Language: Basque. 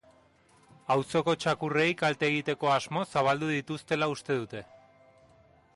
Auzoko txakurrei kalte egiteko asmoz zabaldu dituztela uste dute.